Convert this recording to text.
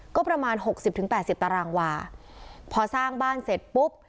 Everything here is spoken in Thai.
ก็ประมาณหกสิบถึงแปดสิบตารางวาพอสร้างบ้านเสร็จปุ๊บ